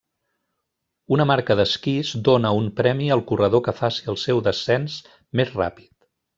Una marca d'esquís dóna un premi al corredor que faci el seu descens més ràpid.